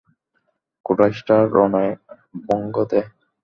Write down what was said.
কুরাইশরা রণে ভঙ্গ দেয়।